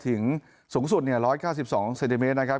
สูงสุด๑๙๒เซนติเมตรนะครับ